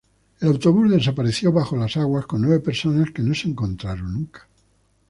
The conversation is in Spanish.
El autobús desapareció bajo las aguas con nueve personas que no se encontraron nunca.